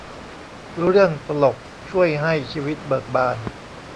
เรื่องตลกช่วยให้ชีวิตเบิกบาน